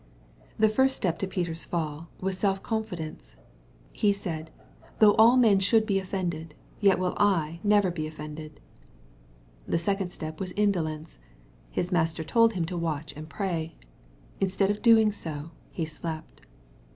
The first step to Peter's fall, was self confidence. He said, ^^ though all men should be offend, yet will I never be offended." — The second step was i ndol ence. His Master told him to watch and pray. Instead of doing so, he slept.